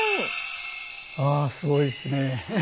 ああすごいですねえ。